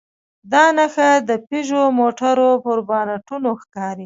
دا نښه د پيژو موټرو پر بانټونو ښکاري.